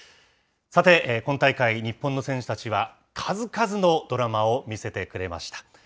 さて、今大会、日本の選手たちは数々のドラマを見せてくれました。